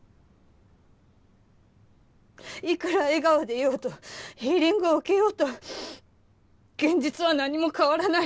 いくら笑顔でいようとヒーリングを受けようと現実は何も変わらない。